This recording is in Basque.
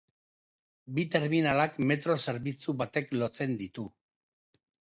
Bi terminalak metro zerbitzu batek lotzen ditu.